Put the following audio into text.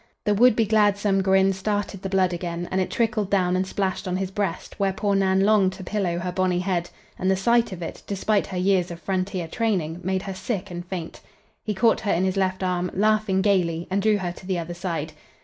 The would be glad some grin started the blood again, and it trickled down and splashed on his breast where poor Nan longed to pillow her bonny head, and the sight of it, despite her years of frontier training, made her sick and faint. He caught her in his left arm, laughing gayly, and drew her to the other side.